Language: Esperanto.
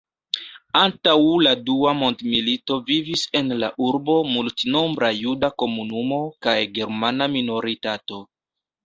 Antaŭ la dua mondmilito vivis en la urbo multnombra juda komunumo kaj germana minoritato.